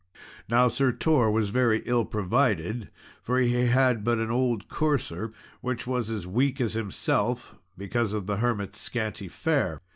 Now Sir Tor was very ill provided, for he had but an old courser, which was as weak as himself, because of the hermit's scanty fare.